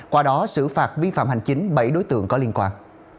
qua đó xử phạt vi phạm hành chính bảy đối tượng có liên quan